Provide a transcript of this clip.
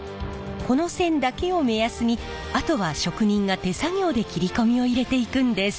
この線だけを目安にあとは職人が手作業で切り込みを入れていくんです！